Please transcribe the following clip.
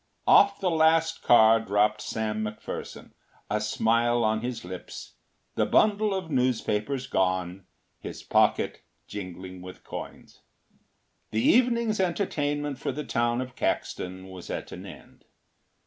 Off the last car dropped Sam McPherson, a smile upon his lips, the bundle of newspapers gone, his pocket jingling with coins. The evening’s entertainment for the town of Caxton was at an end.